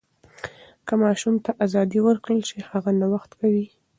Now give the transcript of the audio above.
که ماشوم ته ازادي ورکړل شي، هغه نوښت کوي.